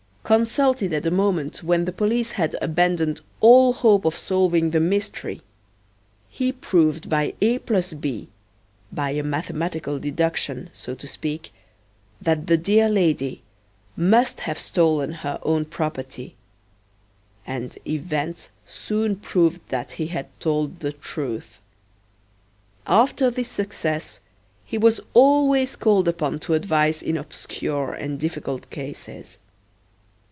Consulted at a moment when the police had abandoned all hope of solving the mystery, he proved by A plus B by a mathematical deduction, so to speak that the dear lady must have stolen her own property; and events soon proved that he had told the truth. After this success he was always called upon to advise in obscure and difficult cases.